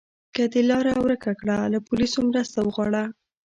که د لاره ورکه کړه، له پولیسو مرسته وغواړه.